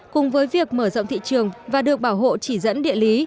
cùng với việc mở rộng thị trường và được bảo hộ chỉ dẫn địa lý